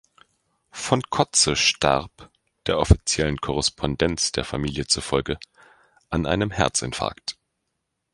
Von Kotze starb, der offiziellen Korrespondenz der Familie zufolge, an einem Herzinfarkt.